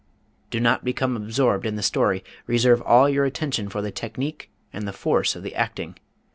Do not become absorbed in the story; reserve all your attention for the technique and the force of the acting.